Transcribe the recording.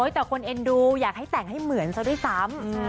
แต่คนเอ็นดูอยากให้แต่งให้เหมือนซะด้วยซ้ำ